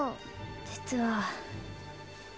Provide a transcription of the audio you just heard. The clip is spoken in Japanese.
実は。